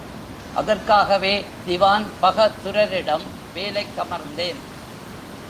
அதற்காகவே திவான்பகதுரரிடம் வேலைக்கமர்ந்தேன்.